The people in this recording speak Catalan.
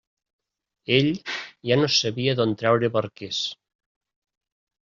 Ell ja no sabia d'on traure barquers.